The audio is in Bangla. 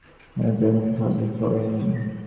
আমার তোমার সাহায্য প্রয়োজন, শাওহেই।